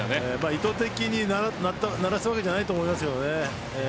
意図的に鳴らしたわけじゃないと思いますけどね。